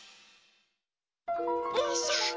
よいしょ。